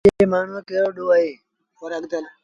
ايٚئي مآڻهوٚٚ رو ڪهڙو ڏوه اهي؟